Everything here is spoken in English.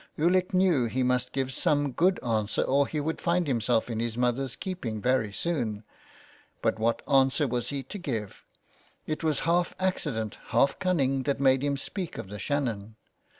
Ulick knew he must give some good answer or he would find himself in his mother's keeping very soon. But what answer was he to give ? it was half accident, half cunning that made him speak of the Shannon.